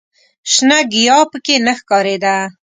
شنه ګیاه په کې نه ښکارېده.